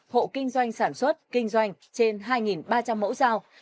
hộ kinh doanh sản xuất kinh doanh trên hai ba trăm linh mẫu dao